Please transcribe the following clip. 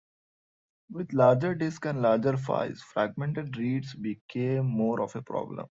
With larger disks and larger files, fragmented reads became more of a problem.